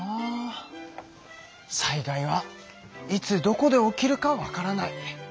災害はいつどこで起きるかわからない。